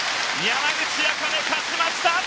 山口茜、勝ちました！